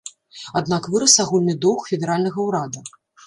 Аднак вырас агульны доўг федэральнага ўрада.